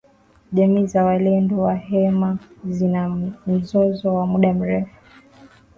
Jamii za walendu na wahema zina mzozo wa muda mrefu.